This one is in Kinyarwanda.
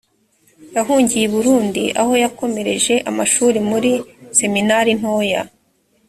yahungiye i burundi aho yakomereje amashuri muri seminari ntoya